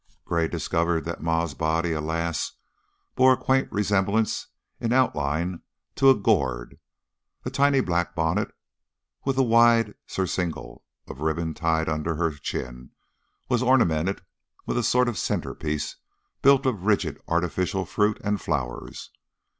Gray discovered that Ma's body, alas! bore a quaint resemblance in outline to a gourd. A tiny black bonnet, with a wide surcingle of ribbon tied under her chin, was ornamented with a sort of centerpiece built of rigid artificial fruit and flowers.